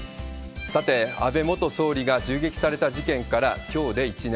さて、安倍元総理が銃撃された事件から、きょうで１年。